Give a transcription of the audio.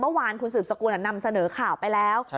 เมื่อวานคุณสืบสกุลนำเสนอข่าวไปแล้ว